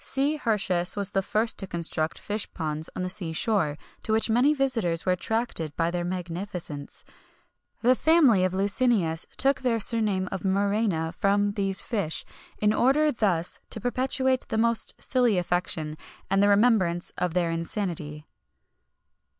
C. Hirtius was the first to construct fish ponds on the sea shore, to which many visitors were attracted by their magnificence.[XXI 61] The family of Licinius took their surname of Muræna from these fish, in order thus to perpetuate the most silly affection, and the remembrance of their insanity.